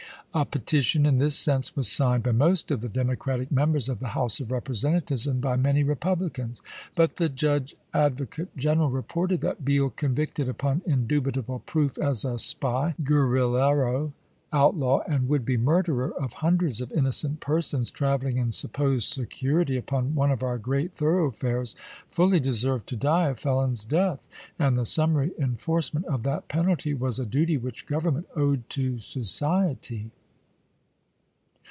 A petition in this sense was signed by most of the Demo cratic members of the House of Representatives and by many Eepublicans. But the Judge Advo cate General reported that " Beall, convicted upon indubitable proof as a spy, guerrillero, outlaw, and would be murderer of hundi eds of innocent persons traveling in supposed security upon one of our great thoroughfares, fully deserved to die a felon's death, and the summary enforcement of that penalty was a duty which Government owed to society."